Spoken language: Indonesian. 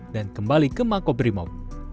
dan kembali ke makobrimob